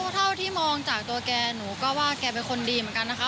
เท่าที่มองจากตัวแกหนูก็ว่าแกเป็นคนดีเหมือนกันนะคะ